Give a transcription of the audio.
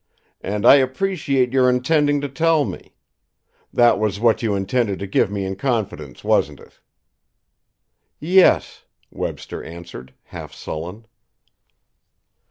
"And I appreciate your intending to tell me. That was what you intended to give me in confidence, wasn't it?" "Yes," Webster answered, half sullen.